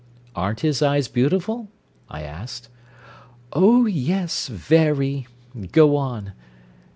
"Aren't his eyes beautiful?" I asked. "Oh yes very! Go on!